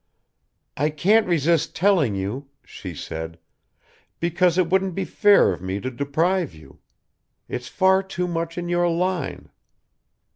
"I can't resist telling you," she said, "because it wouldn't be fair of me to deprive you: it's far too much in your line."